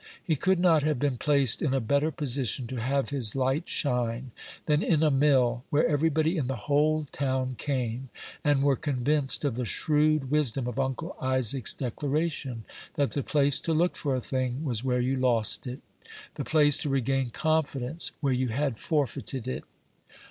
He could not have been placed in a better position to have his light shine, than in a mill, where everybody in the whole town came, and were convinced of the shrewd wisdom of Uncle Isaac's declaration, that the place to look for a thing was where you lost it; the place to regain confidence, where you had forfeited it.